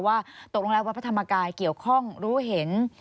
ว่าตกลงแล้ววัดพระธรรมกายเกี่ยวข้องรู้เห็น